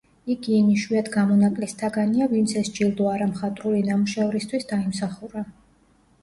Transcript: იგი იმ იშვიათ გამონაკლისთაგანია, ვინც ეს ჯილდო არა მხატვრული ნამუშევრისთვის დაიმსახურა.